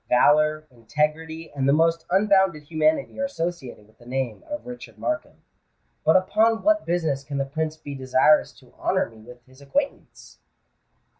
"Valour, integrity, and the most unbounded humanity are associated with the name of Richard Markham. But upon what business can the Prince be desirous to honour me with his acquaintance?"